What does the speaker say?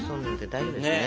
大丈夫ですね？